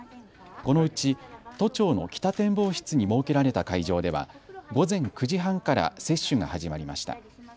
このうち都庁の北展望室に設けられた会場では午前９時半から接種が始まりました。